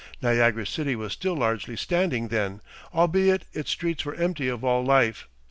Niagara city was still largely standing then, albeit its streets were empty of all life.